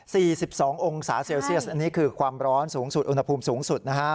สิบสององศาเซลเซียสอันนี้คือความร้อนสูงสุดอุณหภูมิสูงสุดนะฮะ